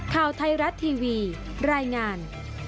ข่าวไทยรัฐทีวีรายงาน